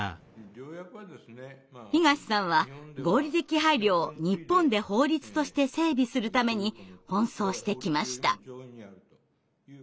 東さんは合理的配慮を日本で法律として整備するために奔走してきました。